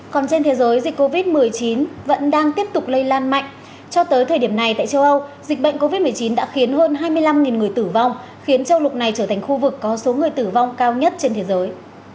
còn trên thế giới dịch covid một mươi chín vẫn đang tiếp tục lây lan mạnh cho tới thời điểm này tại châu âu dịch bệnh covid một mươi chín đã khiến hơn hai mươi năm người tử vong khiến châu lục này trở thành khu vực có số người tử vong cao nhất trên thế giới